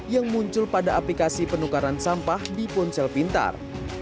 yang muncul pada aplikasi penukaran sampah di ponsel pintar